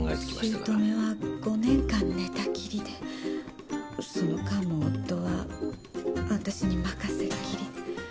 姑は５年間寝たきりでその間も夫はわたしに任せきり。